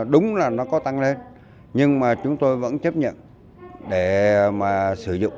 đúng là nó có tăng lên nhưng mà chúng tôi vẫn chấp nhận để mà sử dụng